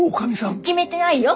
決めてないよ！